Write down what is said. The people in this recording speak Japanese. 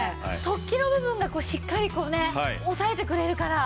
突起の部分がしっかりこうね押さえてくれるから。